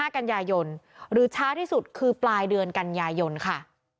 กันยายนหรือช้าที่สุดคือปลายเดือนกันยายนค่ะ